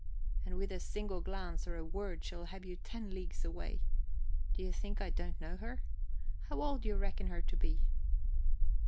And with a single glance, or a word, she'll have you ten leagues away. Do you think I don't know her? How old do you reckon her to be?"